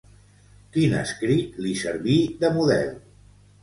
Quin escrit li serví de model?